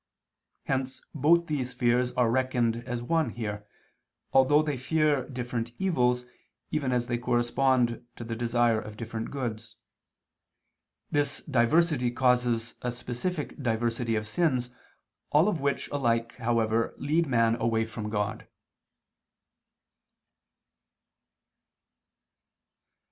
Hence both these fears are reckoned as one here, although they fear different evils, even as they correspond to the desire of different goods. This diversity causes a specific diversity of sins, all of which alike however lead man away from God.